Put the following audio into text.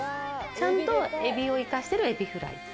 ちゃんとエビを生かしてるエビフライ。